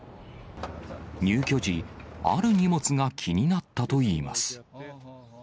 入居時、ある荷物が気になったといいます。